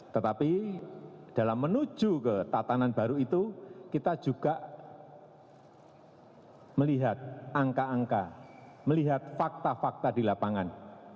tetapi dalam menuju ke tatanan baru itu kita juga melihat angka angka melihat fakta fakta di lapangan